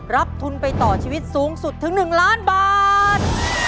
รับทุนไปต่อชีวิตสูงสุดถึง๑ล้านบาท